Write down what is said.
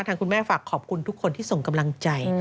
คุณแม่ฝากขอบคุณทุกคนที่ส่งกำลังใจ